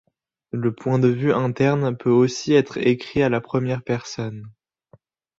Le point de vue interne peut aussi être écrit à la première personne.